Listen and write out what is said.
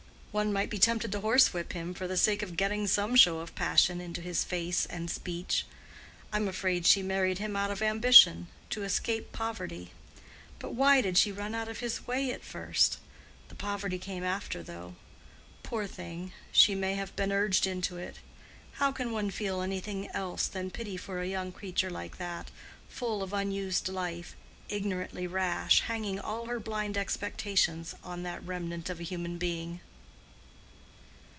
One might be tempted to horsewhip him for the sake of getting some show of passion into his face and speech. I'm afraid she married him out of ambition—to escape poverty. But why did she run out of his way at first? The poverty came after, though. Poor thing! she may have been urged into it. How can one feel anything else than pity for a young creature like that—full of unused life—ignorantly rash—hanging all her blind expectations on that remnant of a human being."